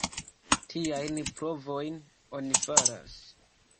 Tiajn provojn oni faras.